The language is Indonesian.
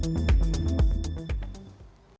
tim liputan cnn indonesia bandung jawa barat